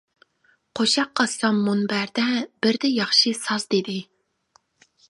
قوشاق قاتسام مۇنبەردە بىردە ياخشى ساز دېدى.